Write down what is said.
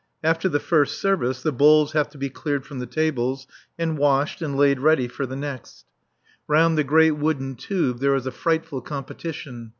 After the first service the bowls have to be cleared from the tables and washed and laid ready for the next. Round the great wooden tubs there is a frightful competition.